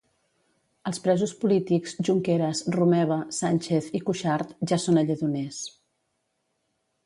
Els presos polítics Junqueras, Romeva, Sánchez i Cuixart ja són a Lledoners.